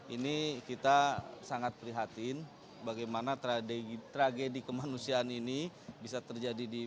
ini kita sangat prihatin bagaimana tragedi kemanusiaan ini bisa terjadi di indonesia